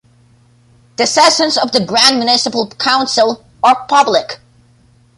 The sessions of the Grand Municipal Council are public.